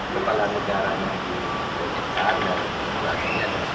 kepala negara yang diperlukan dan kelasnya